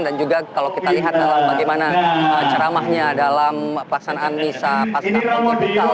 dan juga kalau kita lihat dalam bagaimana ceramahnya dalam pelaksanaan nisa pascah